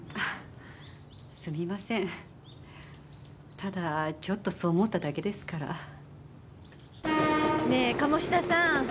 ただちょっとそう思っただけですから。ねえ鴨志田さんどう思う？